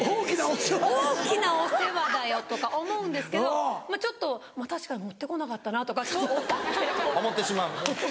大きなお世話だよ！とか思うんですけどまぁちょっと確かに持って来なかったなとか思って。